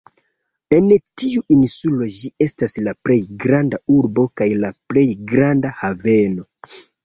En tiu insulo ĝi estas la plej granda urbo kaj la plej granda haveno.